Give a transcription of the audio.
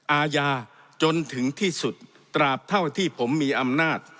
อาญาจนถึงที่สุดตราบเท่าที่ผมมีอำนาจ